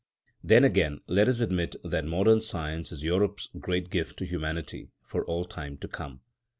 Then, again, let us admit that modern Science is Europe's great gift to humanity for all time to come.